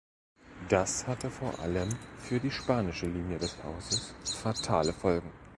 Das hatte vor allem für die spanische Linie des Hauses fatale Folgen.